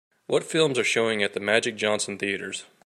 What films are showing at Magic Johnson Theatres.